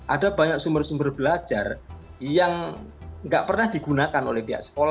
ada banyak sumber sumber belajar yang nggak pernah digunakan oleh pihak sekolah